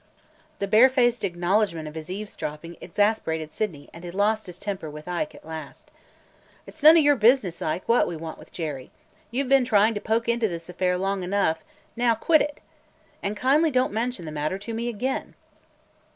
The barefaced acknowledgment of his eavesdropping exasperated Sydney, and he lost his temper with Ike at last. "It 's none of your business, Ike, what we want with Jerry! You 've been trying to poke into this affair long enough; now quit it! And kindly don't mention the matter to me again!"